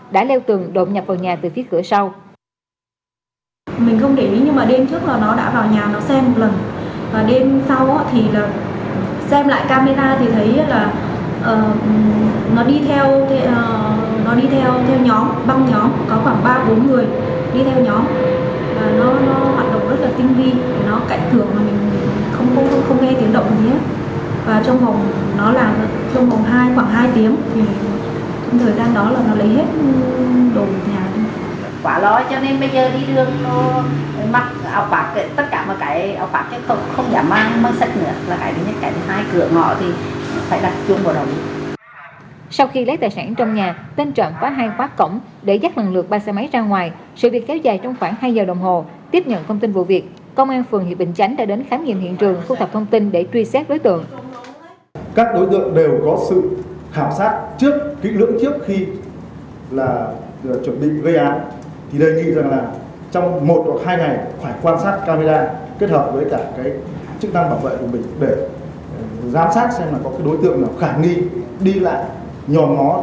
để giám sát xem là có cái đối tượng nào khả nghi đi lại nhòm ngó trong một số cái thời gian gần nhất để có cái sự cảnh báo cảnh tình